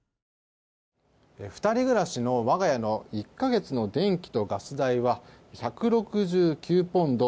２人暮らしの我が家の１か月の電気とガス代は１６９ポンド。